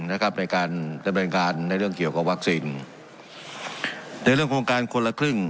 ในการดำเนินการในเรื่องเกี่ยวกับวัคซีนในเรื่องโครงการคนละครึ่ง